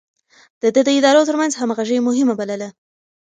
ده د ادارو ترمنځ همغږي مهمه بلله.